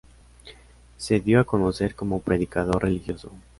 Se dio a conocer como predicador religioso.